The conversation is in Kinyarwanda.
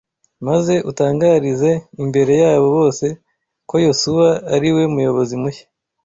Maze utangarize imbere yabo bose ko Yosuwa ari we muyobozi mushya